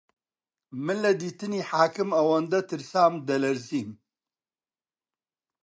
من لە دیتنی حاکم ئەوەندە ترسام دەلەرزیم